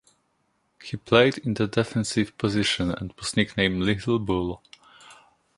He played in the defensive position and was nicknamed “Little Bull”.